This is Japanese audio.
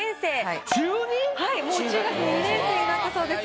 もう中学２年生になったそうです。